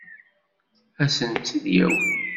Ad sent-tt-id-yawi?